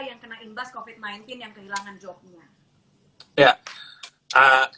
yang kena imbas covid sembilan belas yang kehilangan jobnya